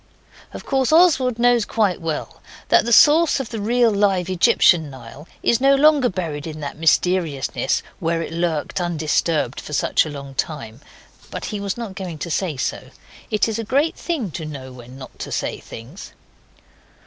Of course Oswald knows quite well that the source of the real live Egyptian Nile is no longer buried in that mysteriousness where it lurked undisturbed for such a long time. But he was not going to say so. It is a great thing to know when not to say things.